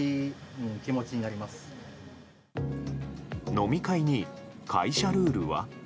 飲み会に、会社ルールは？